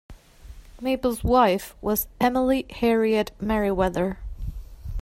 Maple's wife was Emily Harriet Merryweather.